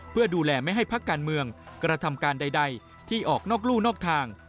เพื่อดูแลไม่ให้พักการเมืองกระทำการใดที่ออกนอกลู่นอกทาง